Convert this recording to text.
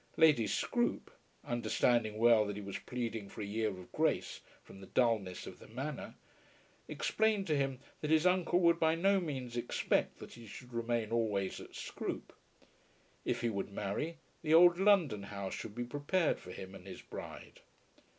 Lady Scroope, understanding well that he was pleading for a year of grace from the dulness of the Manor, explained to him that his uncle would by no means expect that he should remain always at Scroope. If he would marry, the old London house should be prepared for him and his bride.